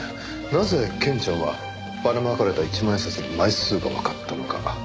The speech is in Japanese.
なぜケンちゃんはばらまかれた一万円札の枚数がわかったのか。